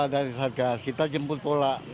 dari satgas kita jemput bola